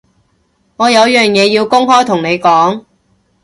我有樣嘢要公開同你講